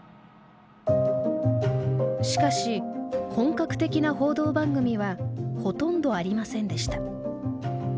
しかし本格的な報道番組はほとんどありませんでした。